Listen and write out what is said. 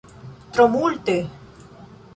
Tro multe!